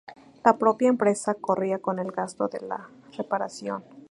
La propia empresa corría con el gasto de la reparación.